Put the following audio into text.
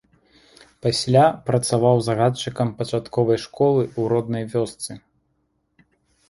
Пасля працаваў загадчыкам пачатковай школы ў роднай вёсцы.